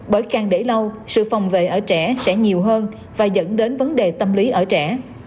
bởi càng để lâu sự phòng vệ ở trẻ sẽ nhiều hơn và dẫn đến vấn đề tâm lý ở trẻ